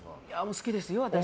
好きですよ、私。